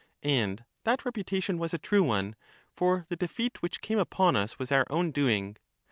And that reputation was a true one, for the defeat which came upon us was our own doing.